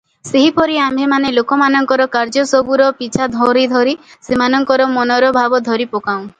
ସେହିପରି ଆମ୍ଭମାନେ ଲୋକମାନଙ୍କ କାର୍ଯ୍ୟସବୁର ପିଛା ଧରି ଧରି ସେମାନଙ୍କ ମନର ଭାବ ଧରିପକାଉଁ ।